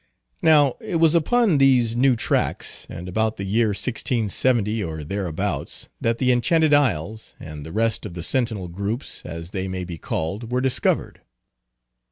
Now it was upon these new tracks, and about the year 1670, or thereabouts, that the Enchanted Isles, and the rest of the sentinel groups, as they may be called, were discovered.